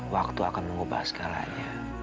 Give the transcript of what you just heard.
waktu akan mengubah segalanya